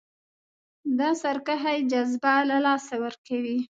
د سرکښۍ جذبه له لاسه ورکوي.